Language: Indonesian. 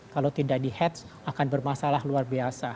kalau tidak di hetch akan bermasalah luar biasa